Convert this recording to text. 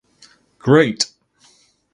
Great!